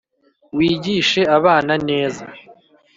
wigishe abana neza